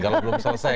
kalau belum selesai